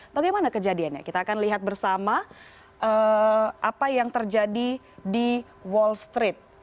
bagaimana kejadiannya kita akan lihat bersama apa yang terjadi di wall street